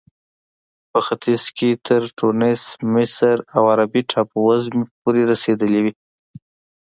په ختیځ کې تر ټونس، مصر او عربي ټاپو وزمې پورې رسېدلې وې.